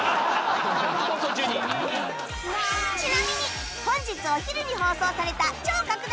ちなみに本日お昼に放送された超拡大